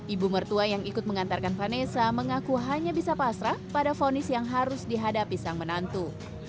ibu mertua yang ikut mengantarkan vanessa mengaku hanya bisa pasrah pada fonis yang harus dihadapi sang menantu